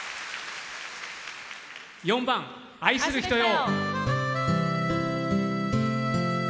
４番「愛する人よ」。